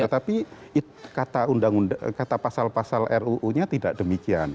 tetapi kata pasal pasal ruu nya tidak demikian